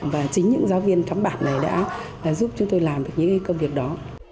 và chính những giáo viên thắm bản này đã giúp chúng tôi làm được những công việc đó